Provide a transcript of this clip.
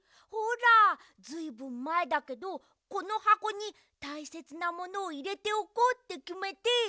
ほらずいぶんまえだけどこのはこにたいせつなものをいれておこうってきめて。